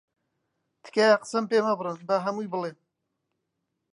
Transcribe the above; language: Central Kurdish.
تکایە قسەم پێ مەبڕن، با هەمووی بڵێم.